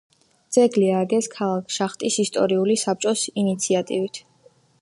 ძეგლი ააგეს ქალაქ შახტის ისტორიული საბჭოს ინიციატივით.